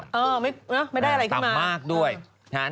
ไม่ได้อะไรขึ้นมาอ่ะด้วยต่ำมาก